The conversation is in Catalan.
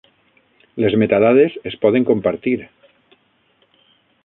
Les metadades es poden compartir.